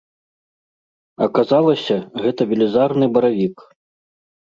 Аказалася, гэта велізарны баравік.